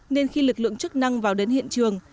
nên khi lực lượng chức năng vào đến hiện trường